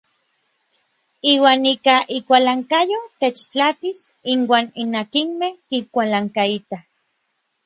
Iuan ika ikualankayo techtlatis inuan n akinmej kikualankaitaj.